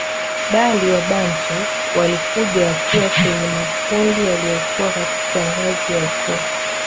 Bali Wabantu walikuja wakiwa kwenye makundi yaliyokuwa katika ngazi ya Ukoo